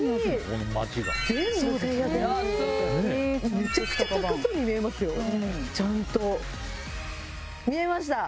めちゃくちゃ高そうに見えますよちゃんと。